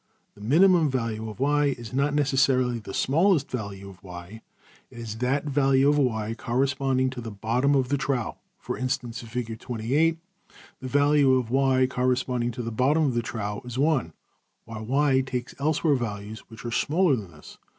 The minimum value of~$y$ is not necessarily the smallest value of~$y$, it is that value of~$y$ corresponding to the bottom of the trough; for instance, in \Fig (\Pageref{fig:28}), the %[Page number] value of~$y$ corresponding to the bottom of the trough is~$1$, while $y$~takes elsewhere values which are smaller than this.